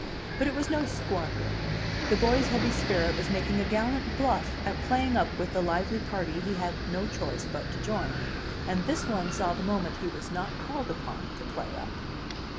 But it was no squandering; the boy's heavy spirit was making a gallant "bluff" at playing up with the lively party he had no choice but to join, and this one saw the moment he was not called upon to play up.